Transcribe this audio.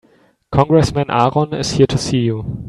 Congressman Aaron is here to see you.